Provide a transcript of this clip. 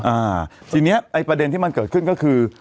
อ่าทีเนี้ยไอ้ประเด็นที่มันเกิดขึ้นก็คือ